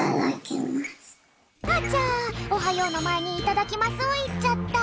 あちゃ「おはよう」のまえに「いただきます」をいっちゃった。